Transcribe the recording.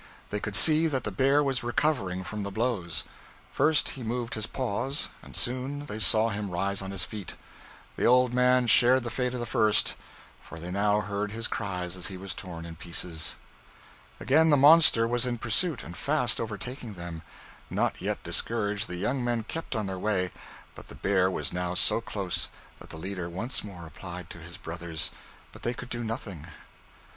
They could see that the bear was recovering from the blows. First he moved his paws, and soon they saw him rise on his feet. The old man shared the fate of the first, for they now heard his cries as he was torn in pieces. Again the monster was in pursuit, and fast overtaking them. Not yet discouraged, the young men kept on their way; but the bear was now so close, that the leader once more applied to his brothers, but they could do nothing.